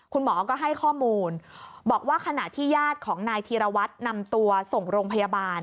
คุณหมอก็ให้ข้อมูลบอกว่าขณะที่ญาติของนายธีรวัตรนำตัวส่งโรงพยาบาล